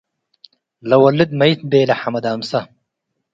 . ‘’ለወልድ መይት’’ ቤለ ሐመድ አምሰ፣